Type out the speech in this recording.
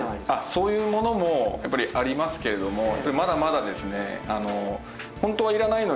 そういうものもやっぱりありますけれどもまだまだですね。